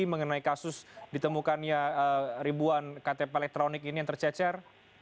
mengenai kasus ditemukannya ribuan ktp elektronik ini yang tercecer